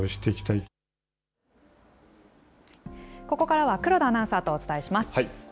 ここからは黒田アナウンサーとお伝えします。